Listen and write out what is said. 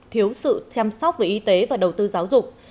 thiếu sự chăm sóc về y tế và đầu tư giáo dục